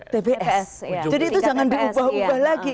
tbs jadi itu jangan diubah ubah lagi